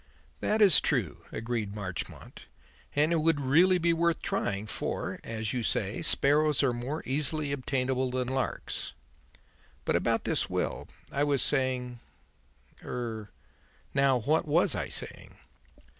"That is true," agreed Marchmont, "and it would really be worth trying, for, as you say, sparrows are more easily obtainable than larks. But, about this will. I was saying er now, what was I saying?"